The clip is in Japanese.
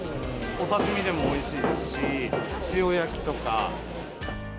お刺身でもおいしいし、塩焼きとか。